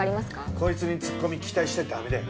こいつにツッコミ期待しちゃダメだよ。